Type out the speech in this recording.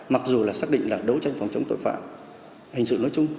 mặc dù là xác định là đấu tranh phòng chống tội phạm hình sự nói chung